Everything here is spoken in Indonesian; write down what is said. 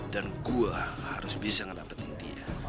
dan gue harus bisa ngedapetin dia